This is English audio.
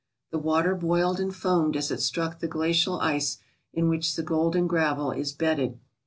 The water boiled and foamed as it struck the glacial ice in which the golden gravel is bedded.